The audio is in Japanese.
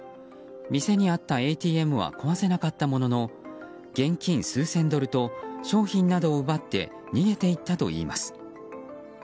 店にあったＡＴＭは壊せなかったものの現金数千ドルと商品などを奪って逃げていったといいます。